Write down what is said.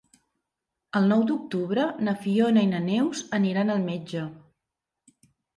El nou d'octubre na Fiona i na Neus aniran al metge.